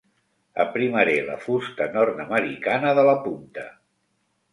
Aprimaré la fusta nord-americana de la punta.